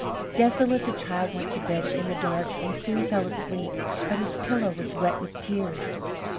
Desolate, the child went to bed in the dark and soon fell asleep, but his pillow was wet with tears.